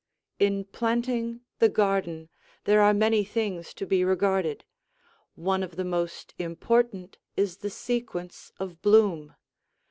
In planting the garden there are many things to be regarded; one of the most important is the sequence of bloom.